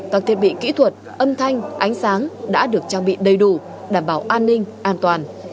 các thiết bị kỹ thuật âm thanh ánh sáng đã được trang bị đầy đủ đảm bảo an ninh an toàn